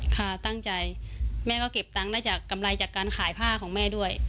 ค่ะตั้งใจแม่ก็เก็บตังค์ได้จากกำไรจากการขายผ้าของแม่ด้วย